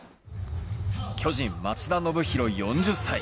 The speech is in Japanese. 巨人松田宣浩、４０歳。